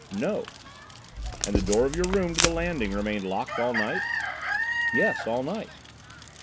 "No." "And the door of your room to the landing remained locked all night?" "Yes, all night."